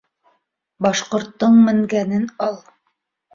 Башҡорттоң менгәнен ал.